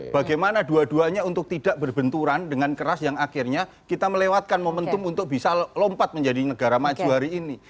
bagaimana dua duanya untuk tidak berbenturan dengan keras yang akhirnya kita melewatkan momentum untuk bisa lompat menjadi negara maju hari ini